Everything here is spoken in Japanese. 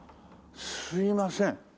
すいません。